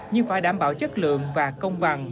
nhưng phải đảm bảo chất lượng và công bằng